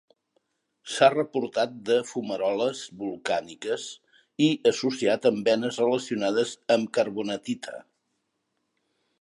S'ha reportat de fumaroles volcàniques i associat amb venes relacionades amb carbonatita.